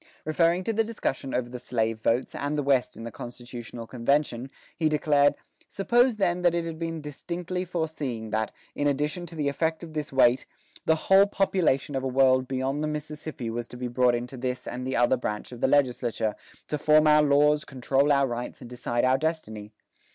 Referring to the discussion over the slave votes and the West in the constitutional convention, he declared, "Suppose, then, that it had been distinctly foreseen that, in addition to the effect of this weight, the whole population of a world beyond the Mississippi was to be brought into this and the other branch of the legislature, to form our laws, control our rights, and decide our destiny.